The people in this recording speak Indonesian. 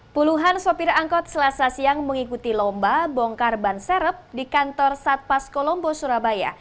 puluhan sopir angkot selasa siang mengikuti lomba bongkar ban serep di kantor satpas kolombo surabaya